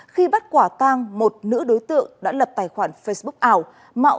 khi bắt quả tang một nữ đối tượng đã lập tài khoản facebook ảo